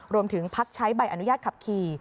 พักใช้ใบอนุญาตขับขี่